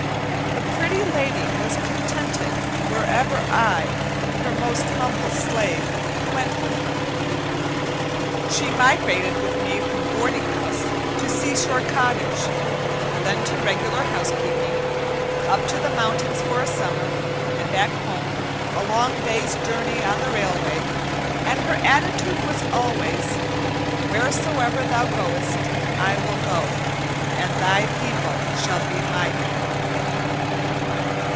The Pretty Lady was contented wherever I, her most humble slave, went with her. She migrated with me from boarding house to sea shore cottage; then to regular housekeeping; up to the mountains for a summer, and back home, a long day's journey on the railway; and her attitude was always "Wheresoever thou goest I will go, and thy people shall be my people."